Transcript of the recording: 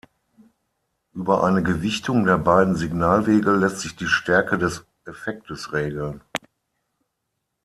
Über eine Gewichtung der beiden Signalwege lässt sich die Stärke des Effektes regeln.